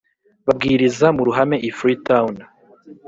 Babwiriza mu ruhame i freetown